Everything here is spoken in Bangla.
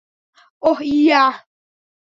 ওহ, ইয়া।